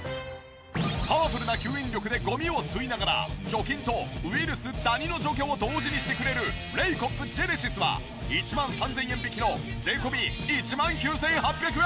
パワフルな吸引力でゴミを吸いながら除菌とウイルス・ダニの除去を同時にしてくれるレイコップジェネシスは１万３０００円引きの税込１万９８００円。